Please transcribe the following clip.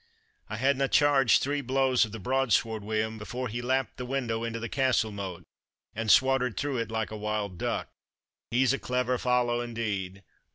I hadna changed three blows of the broadsword wi' him before he lap the window into the castle moat, and swattered through it like a wild duck. He's a clever fallow, indeed!